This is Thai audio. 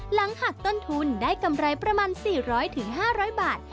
หลังหักต้นทุนได้กำไรประมาณ๔๐๐๕๐๐บาท